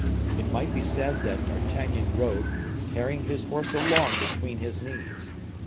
It might be said that D'Artagnan rode, carrying his horse along between his knees.